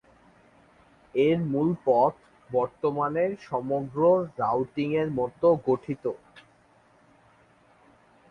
এর মূল পথ বর্তমানের সমগ্র রাউটিং এর মতো গঠিত।